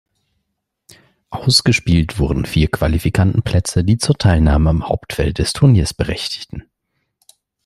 Ausgespielt wurden vier Qualifikantenplätze, die zur Teilnahme am Hauptfeld des Turniers berechtigten.